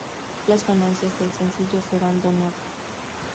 Las ganancias del sencillo serán donados.